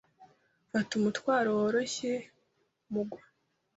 Fata umutwaro woroshye mugwa